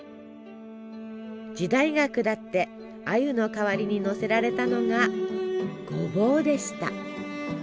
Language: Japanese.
時代が下ってあゆの代わりにのせられたのがごぼうでした！